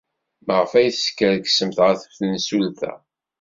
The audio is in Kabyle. Maɣef ay teskerksemt ɣef temsulta?